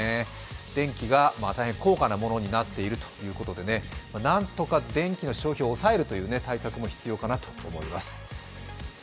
電気が大変、高価なものになっているということでなんとか電気の消費を抑える対策も必要かなと思います。